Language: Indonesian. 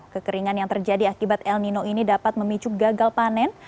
kekeringan yang terjadi akibat el nino ini dapat memicu gagal panen